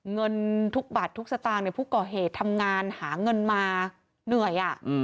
เงินทุกบัตรทุกสตางค์ผู้ก่อเหตุทำงานหาเงินมาเหนื่อย